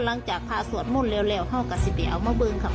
หลังจากพระสวทมลเรียวเข้ากันอีก๑๐ีาวมุมบึงครับ